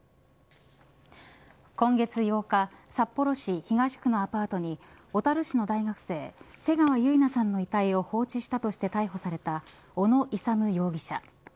今月８日札幌市東区のアパートに小樽市の大学生瀬川結菜さんの遺体を放置したとして逮捕された小野勇容疑者。